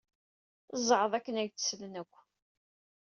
Zɛeḍ akken ad ak-d-slen akk.